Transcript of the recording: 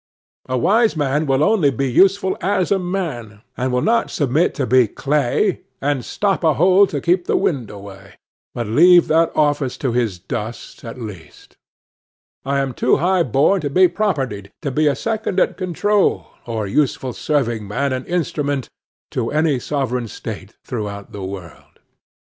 A wise man will only be useful as a man, and will not submit to be "clay," and "stop a hole to keep the wind away," but leave that office to his dust at least: "I am too high born to be propertied, To be a secondary at control, Or useful serving man and instrument To any sovereign state throughout the world."